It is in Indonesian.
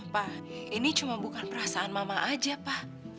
pa ini cuma bukan perasaan mama aja pa